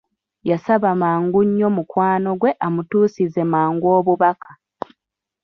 Yasaba mangu nnyo mukwano gwe amutuusize mangu obubaka.